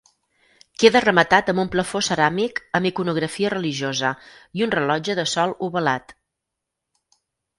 Queda rematat amb un plafó ceràmic amb iconografia religiosa i un rellotge de sol ovalat.